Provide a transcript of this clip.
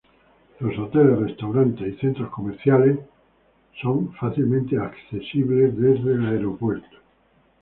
Los hoteles, restaurantes y centros comerciales son fácilmente accesibles desde el aeropuerto.